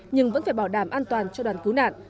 nhưng vẫn phải bảo đảm an toàn cho đoàn cứu nạn